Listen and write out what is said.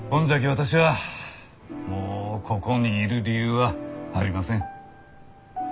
私はもうここにいる理由はありません。